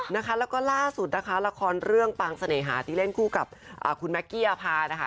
แล้วก็ล่าสุดนะคะละครเรื่องปางเสน่หาที่เล่นคู่กับคุณแม็กกี้อภานะคะ